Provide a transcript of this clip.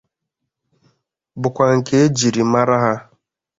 bụkwa nke e jiri mara ha